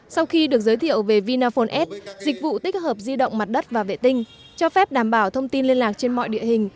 sau khi được giới thiệu về vinaphone s dịch vụ tích hợp di động mặt đất và vệ tinh cho phép đảm bảo thông tin liên lạc trên mọi địa hình